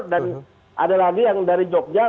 dan ada lagi yang dari jogja